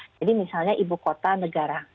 jadi misalnya ibu kota negara